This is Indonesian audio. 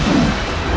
aku akan menang